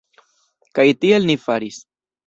Kaj tiel ni faris.